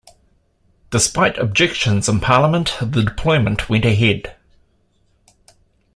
Despite objections in Parliament, the deployment went ahead.